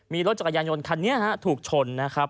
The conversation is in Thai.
มีรถจักรยานยนต์คันนี้ถูกชนนะครับ